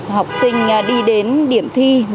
học sinh đi đến điểm thi